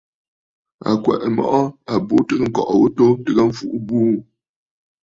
À kwɛ̀ʼɛ mɔʼɔ àbu tɨgə̀ ŋ̀kɔʼɔ ŋwò ghu atu ntɨgə mfuʼu buu.